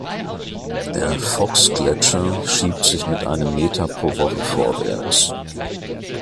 Der Fox-Gletscher schiebt sich mit einem Meter pro Woche vorwärts.